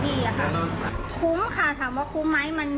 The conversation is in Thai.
ใส่น้อยกำไรค่ะอาจจะเยอะกว่า